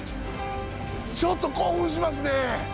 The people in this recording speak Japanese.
ちょっと興奮しますね！